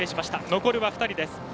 残るは２人です。